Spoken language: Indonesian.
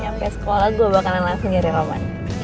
sampai sekolah gue bakalan langsung nyari roman